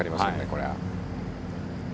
これは。